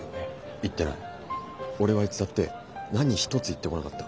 俺はいつだって何一つ言ってこなかった。